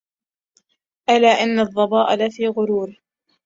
ألا إن الظباء لفي غرور